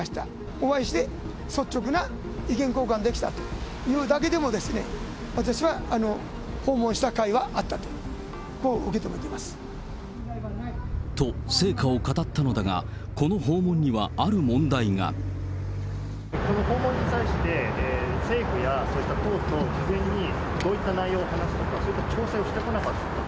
お会いして、率直な意見交換できたというだけでも、私は訪問した甲斐はあったと、と、成果を語ったのだが、ここの訪問に際して、政府や党と事前にどういった内容を話すとか、そういった調整はしてこなかったんですか？